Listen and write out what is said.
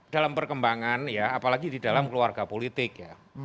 dalam perkembangan ya apalagi di dalam keluarga politik ya